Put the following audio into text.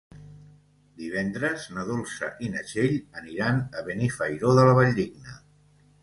Divendres na Dolça i na Txell aniran a Benifairó de la Valldigna.